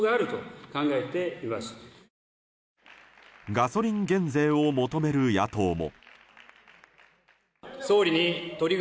ガソリン減税を求める野党も。